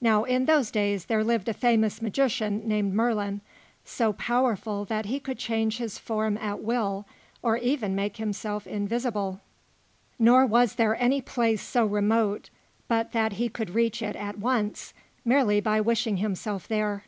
Now in those days, there lived a famous magician named Merlin, so powerful that he could change his form at will, or even make himself invisible; nor was there any place so remote but that he could reach it at once, merely by wishing himself there.